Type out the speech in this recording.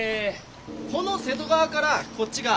この瀬戸川からこっちが。